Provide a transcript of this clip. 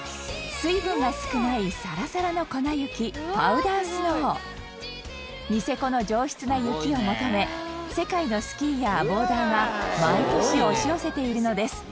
水分が少ない、サラサラの粉雪パウダースノーニセコの上質な雪を求め世界のスキーヤー、ボーダーが毎年、押し寄せているのです太田